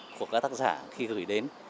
của các tác giả khi gửi đến